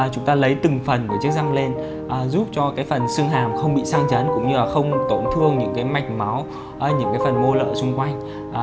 chúng ta lấy từng phần của chiếc răng lên giúp cho cái phần xương hàm không bị xăng chấn cũng như là không tổn thương những cái mạch máu những cái phần ngô lợi xung quanh